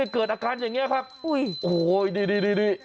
เกิดอาการอย่างนี้ครับโอ้โหนี่